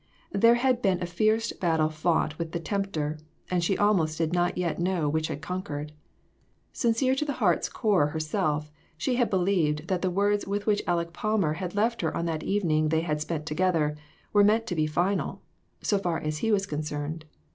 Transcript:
There had been a fierce battle fought with the tempter, and she almost did not yet know which had conquered. Sincere to the heart's core herself, she had believed that the words with which Aleck Palmer had left her on that last evening they had spent together, were meant to be final, so far as he was concerned.